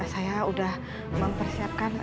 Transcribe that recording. saya udah mempersiapkan